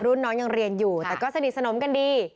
รุ่นน้องยังเรียนอยู่แต่ก็สนิทสนมกันดี